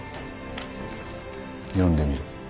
読んでみろ。